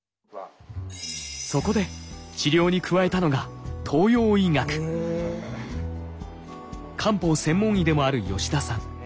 そこで治療に加えたのが漢方専門医でもある吉田さん。